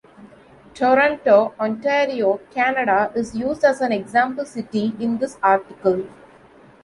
Toronto, Ontario, Canada is used as an example city in this article.